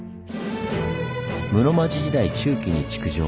室町時代中期に築城。